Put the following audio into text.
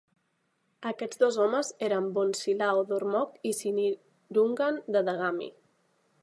Aquests dos homes eren Bonsilao d'Ormoc i Sinirungan de Dagami.